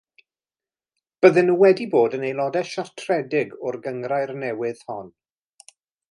Bydden nhw wedi bod yn aelodau siartredig o'r gynghrair newydd hon.